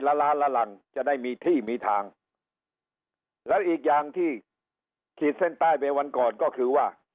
ล้านละหลังจะได้มีที่มีทางแล้วอีกอย่างที่ขีดเส้นใต้ไปวันก่อนก็คือว่า